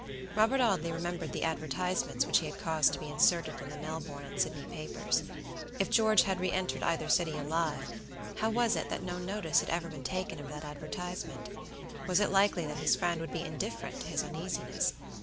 Robert Audley remembered the advertisements which he had caused to be inserted in the Melbourne and Sydney papers. If George had re entered either city alive, how was it that no notice had ever been taken of that advertisement? Was it likely that his friend would be indifferent to his uneasiness?